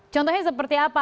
contohnya seperti apa